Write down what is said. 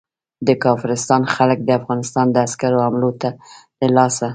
د کافرستان خلک د افغانستان د عسکرو حملو له لاسه.